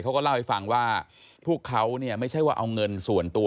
เขาก็เล่าให้ฟังว่าพวกเขาเนี่ยไม่ใช่ว่าเอาเงินส่วนตัว